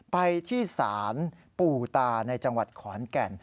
ไปที่ศาลปู่ตาในจังหวัดขอนแก่น